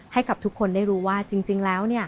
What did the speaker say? ให้กับทุกคนได้รู้ว่าจริงแล้ว